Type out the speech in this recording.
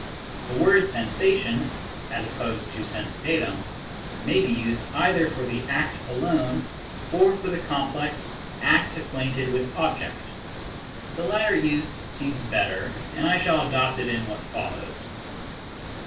The word " sensation," as opposed to " sense datum," may be used either for the act alone, or for the complex act acquainted with object. The latter use seems better, and I shall adopt it in what follows.